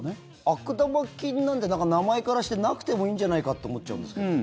悪玉菌なんて名前からしてなくてもいいんじゃないかって思っちゃうんですけど。